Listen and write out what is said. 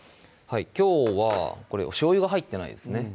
きょうはおしょうゆが入ってないですね